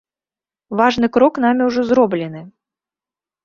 Важны крок намі ўжо зроблены.